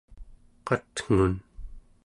qatngun